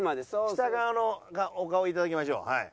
下側のお顔いただきましょうはい。